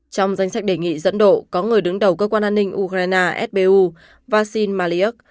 trong danh sách đề nghị dẫn độ có người đứng đầu cơ quan an ninh ukraine sbu vasyl maliyuk